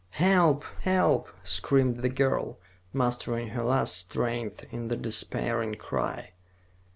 "Help, help!" screamed the girl, mustering her last strength in the despairing cry.